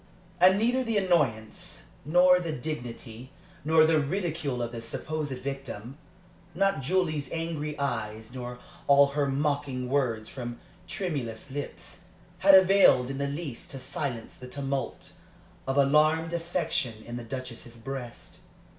And neither the annoyance, nor the dignity, nor the ridicule of the supposed victim not Julie's angry eyes, nor all her mocking words from tremulous lips had availed in the least to silence the tumult of alarmed affection in the Duchess's breast.